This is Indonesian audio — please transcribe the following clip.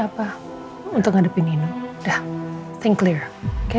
apa untuk ngadepin ini udah ten clear oke